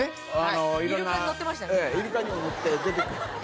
イルカにも乗って出てくる。